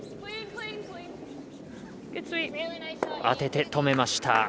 当てて止めました。